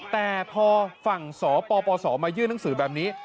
แต่พอฝั่งสปสมายื่นหนังสือแบบนี้